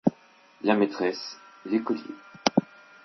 La maîtresse, L’écolier.